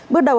bước đầu hai